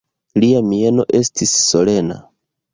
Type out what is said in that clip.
Lia mieno estis solena.